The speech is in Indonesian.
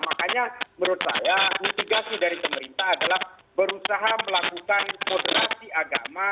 makanya menurut saya mitigasi dari pemerintah adalah berusaha melakukan moderasi agama